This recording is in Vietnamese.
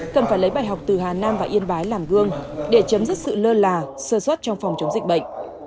cần phải lấy bài học từ hà nam và yên bái làm gương để chấm dứt sự lơ là sơ xuất trong phòng chống dịch bệnh